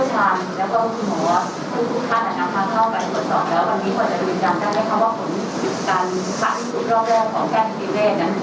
นะครับ